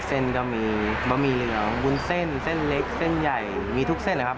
เส้นก็มีบะหมี่เหลืองวุ้นเส้นเส้นเล็กเส้นใหญ่มีทุกเส้นเลยครับ